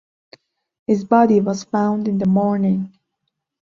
His body was found in the morning.